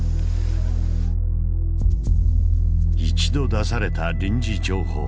一度出された臨時情報。